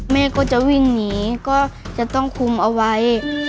แม่ก็จะวิ่งหนีก็จะต้องคุมเอาไว้